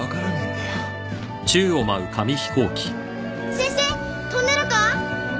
先生飛んでるか。